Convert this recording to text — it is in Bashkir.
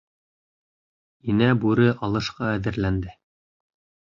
Инә Бүре алышҡа әҙерләнде.